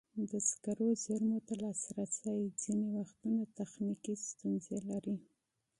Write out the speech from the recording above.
د سکرو زېرمو ته لاسرسی ځینې وختونه تخنیکي ستونزې لري.